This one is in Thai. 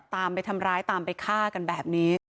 ตามไปทำร้ายตามไปฆ่ากันแบบนี้